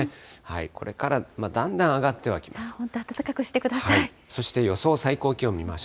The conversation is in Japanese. これからだんだん上がってはきます。